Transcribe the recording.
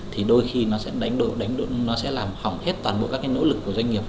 thì đôi khi nó sẽ đánh nó sẽ làm hỏng hết toàn bộ các cái nỗ lực của doanh nghiệp